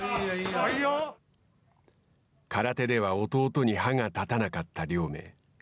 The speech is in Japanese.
空手では弟に歯が立たなかった亮明。